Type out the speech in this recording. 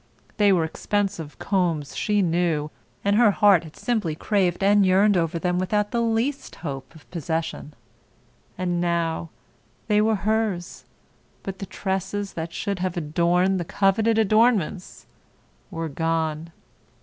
They were expensive combs, she knew, and her heart had simply craved and yearned over them without the least hope of possession. And now, they were hers, but the tresses that should have adorned the coveted adornments were gone.